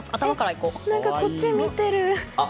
こっち見てる。